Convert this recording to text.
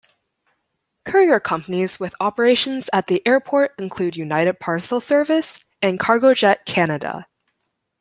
Courier companies with operations at the airport include United Parcel Service and Cargojet Canada.